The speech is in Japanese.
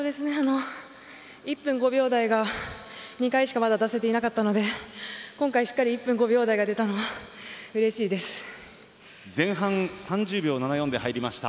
１分５秒台が２回しかまだ出せていなかったので今回、しっかり１分５秒台が出たのは前半、３０秒７４で入りました。